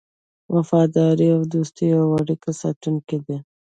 وفاداري د دوستۍ او اړیکو ساتونکی دی.